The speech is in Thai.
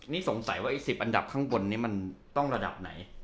นี่สงสัยว่าไอ้๑๐อันดับข้างบนนี้มันต้องระดับไหน